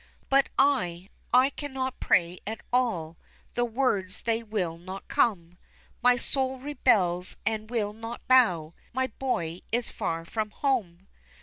But I I cannot pray at all; the words they will not come, My soul rebels and will not bow my boy is far from home.